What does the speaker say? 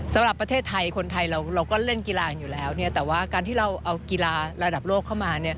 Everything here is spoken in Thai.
สำหรับประเทศไทยคนไทยเราก็เล่นกีฬากันอยู่แล้วแต่ว่าการที่เราเอากีฬาระดับโลกเข้ามา